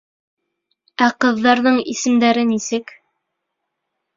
Ә ҡыҙҙарҙың исемдәре нисек?